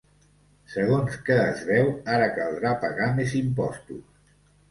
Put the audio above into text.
Segons que es veu, ara caldrà pagar més impostos.